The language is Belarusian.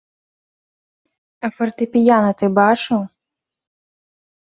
А фартэпіяна ты бачыў?